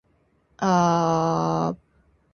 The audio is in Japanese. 来年は就職活動で忙しくなるだろう。